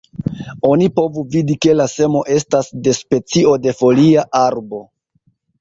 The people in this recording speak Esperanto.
Oni povu vidi, ke la semo estas de specio de folia arbo.